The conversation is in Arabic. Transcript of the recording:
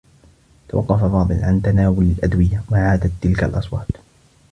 توقّف فاضل عن تناول الأدوية و عادت تلك الأصوات.